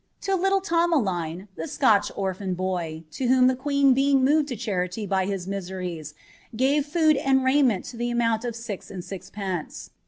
— To little Thomeline, the Scotch orphan boy, to whom ^ being moved to charity by his miseries, gave food and raiment oont of six and sixpence."